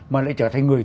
mà lại trở thành người